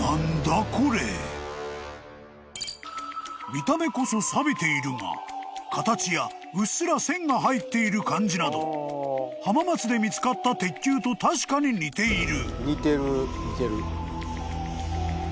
［見た目こそさびているが形やうっすら線が入っている感じなど浜松で見つかった鉄球と確かに似ている］